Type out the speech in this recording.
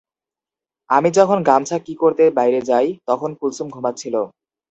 আমি যখন গামছা কি করতে বাইরে যাই, তখন কুলসুম ঘুমাচ্ছিল?